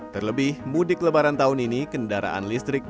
terlebih mudik lebaran tahun ini kendaraan listrik